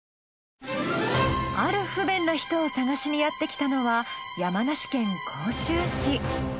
ある不便な人を探しにやってきたのは山梨県甲州市。